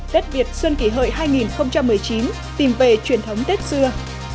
tết việt xuân kỷ hợi hai nghìn một mươi chín tìm về truyền thống tết xưa